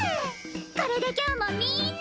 これで今日もみんな！